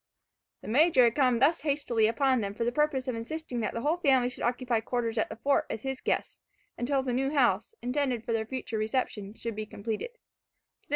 The Major had come thus hastily upon them for the purpose of insisting that the whole family should occupy quarters at the Fort as his guests, until the new house, intended for their future reception, should be completed.